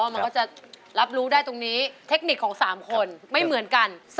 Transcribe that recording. มันก็จะรับรู้ได้ตรงนี้เทคนิคของ๓คนไม่เหมือนกัน